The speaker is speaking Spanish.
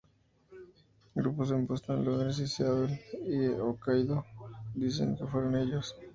Grupos en Boston, Londres, Seattle, y Hokkaidō, dicen que fueron ellos.